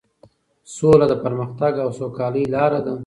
سوله د پرمختګ او سوکالۍ لاره ده.